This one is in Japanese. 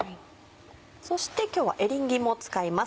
そして今日はエリンギも使います。